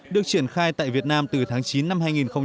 được triển khai tại việt nam từ tháng chín năm hai nghìn một mươi chín